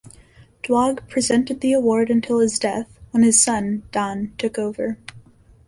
Doig presented the award until his death, when his son, Don, took over.